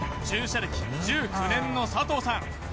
駐車歴１９年の佐藤さん